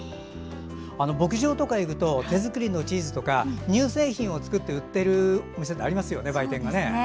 牧場とかいくと手作りのチーズとか乳製品を作って売っている売店がありますよね。